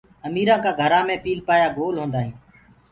اميرآ ڪآ گھرآ مي پيٚلپآيآ گول هوندآ هين۔